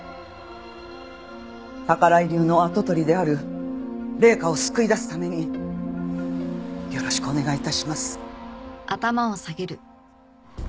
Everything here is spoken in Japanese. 宝居流の跡取りである麗華を救い出すためによろしくお願い致します。